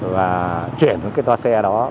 và chuyển cái toa xe đó